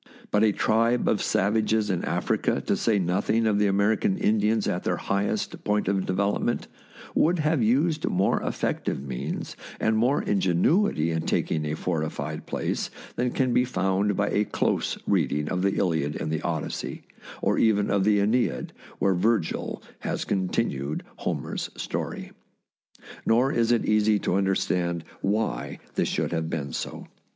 But a tribe of savages in Africa, to say nothing of the American Indians at their high est point of development, would have used more effective means and more ingenuity in taking a for tified place than can be found by a close reading of the " Iliad " and the " Odyssey," or even of the " iEneid," where Virgil has continued Homer's THE BOOK OF FAMOUS SIEGES story. Nor is it easy to understand why this should have been so.